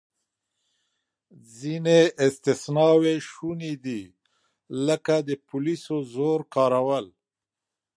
ځینې استثناوې شونې دي، لکه د پولیسو زور کارول.